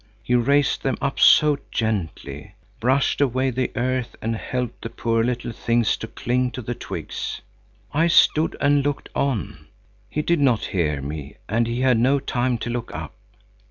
He raised them up so gently, brushed away the earth and helped the poor little things to cling to the twigs. I stood and looked on. He did not hear me, and he had no time to look up.